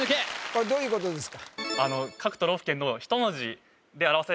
これどういうことですか堺蕨